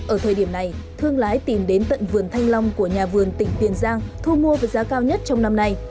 ở thời điểm này thương lái tìm đến tận vườn thanh long của nhà vườn tỉnh tiền giang thu mua với giá cao nhất trong năm nay